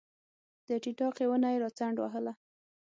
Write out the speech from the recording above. د ټیټاقې ونه یې راڅنډ وهله